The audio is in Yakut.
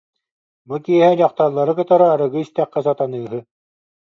Бу киэһэ дьахталлары кытары арыгы истэххэ сатаныыһы